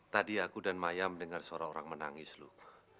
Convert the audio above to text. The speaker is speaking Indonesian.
tadi aku dan maya mendengar suara orang menangis loh